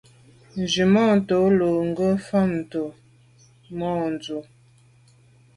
Nzwimàntô lo ghom fotmbwe ntùm mo’ dù’.